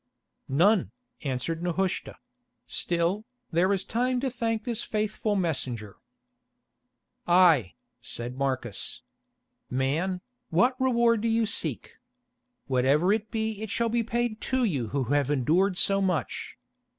"None," answered Nehushta; "still, there is time to thank this faithful messenger." "Ay," said Marcus. "Man, what reward do you seek? Whatever it be it shall be paid to you who have endured so much.